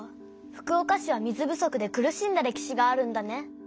福岡市は水不足で苦しんだ歴史があるんだね。